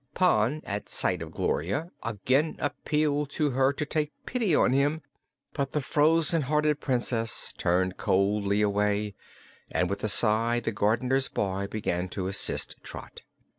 Pon, at sight of Gloria, again appealed to her to take pity on him, but the frozen hearted Princess turned coldly away and with a sigh the gardener's boy began to assist Trot.